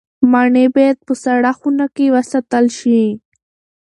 مڼې باید په سړه خونه کې وساتل شي.